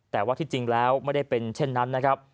แต่ว่าที่จริงแล้วไม่ได้เป็นเช่นนั้นนะครับ